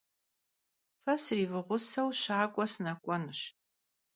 Fe srifığuseu şak'ue sınek'uenuş.